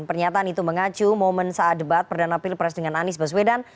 pernyataan itu mengacu momen saat debat perdana pilpres dengan anies baswedan